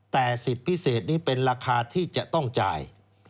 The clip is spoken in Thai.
แต่สิทธิ์พิเศษนี้เป็นราคาที่จะต้องจ่าย